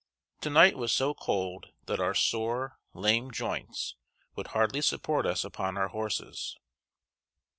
To night was so cold, that our sore, lame joints would hardly support us upon our horses.